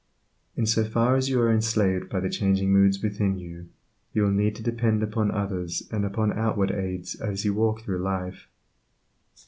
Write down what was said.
In so far as you are enslaved by the changing moods within you, will you need to depend upon others and upon outward aids as you walk through life.